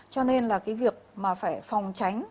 cho nên là cái việc mà phải phòng tránh